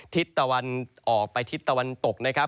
ทิศตะวันออกไปทิศตะวันตกนะครับ